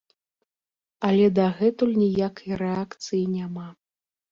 Але дагэтуль ніякай рэакцыі няма.